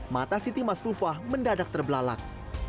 mata siti masfufah mendadak terbelalak